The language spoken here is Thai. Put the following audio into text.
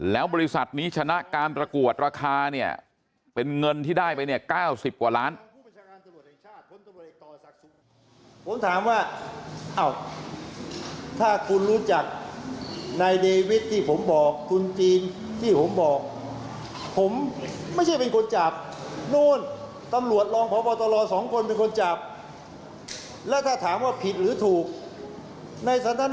แล้วบริษัทนี้ชนะการประกวดราคาเนี่ยเป็นเงินที่ได้ไปเนี่ย๙๐กว่าล้าน